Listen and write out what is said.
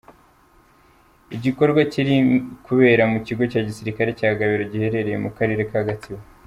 Igikorwa kiri kubera mu kigo cya gisirikare cya Gabiro, giherereye mu karere ka Gatsibo.